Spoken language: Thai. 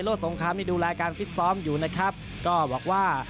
สงครามนี่ดูแลการฟิตซ้อมอยู่นะครับก็บอกว่า